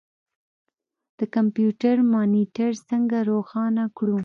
د کمپیوټر مانیټر څنګه روښانه کړو.